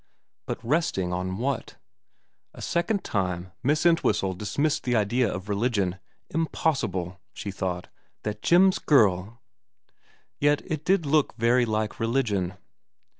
But resting on what ? A second time Miss Entwhistle dismissed the idea of religion. Impossible, she thought, that Jim's girl, yet it did look very like religion.